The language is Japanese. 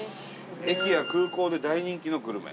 駅や空港で大人気のグルメ。